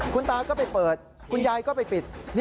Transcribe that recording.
คุณตาก็ไปเปิดคุณยายก็ไปปิด